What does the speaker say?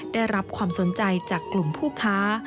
ได้รับความสนใจจากกลุ่มผู้ค้า